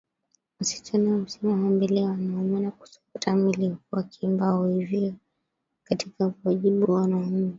Wasichana husimama mbele ya wanaume na kusokota miili huku wakiimba Oiiiyo katika kuwajibu wanaume